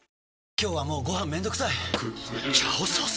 今日はもうご飯めんどくさい「炒ソース」！？